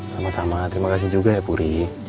sama sama terima kasih juga ya puri